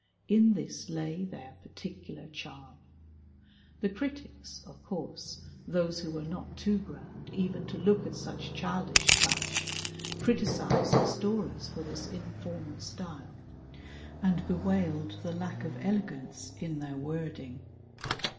In this lay their particular charm. The critics, of course, — those who were not too grand even to look at such childish trash — criticized the stories for this informal style and bewailed the lack of elegance in their wording.